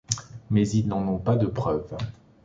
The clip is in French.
Mais ils n'en ont pas de preuve.